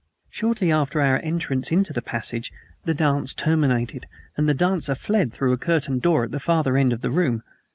Shortly after our entrance into the passage the dance terminated, and the dancer fled through a curtained door at the farther end of the room.